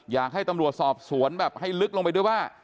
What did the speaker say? อยากให้ตำรวจสอบสวนแบบให้ลึกลงไปด้วยว่า